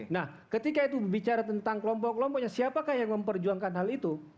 nah ketika itu bicara tentang kelompok kelompoknya siapakah yang memperjuangkan hal itu